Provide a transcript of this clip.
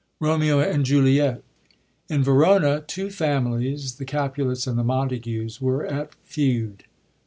RoMBO AND JuLiBT. — In Verona, two families, the Capulets and the Montagues, were at feud.